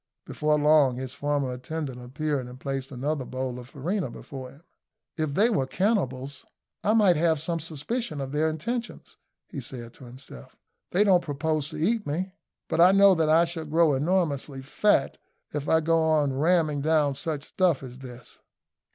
Before long his former attendant appeared and placed another bowl of farina before him. "If they were cannibals, I might have some suspicions of their intentions," he said to himself; "they don't propose to eat me; but I know that I shall grow enormously fat if I go on long ramming down such stuff as this."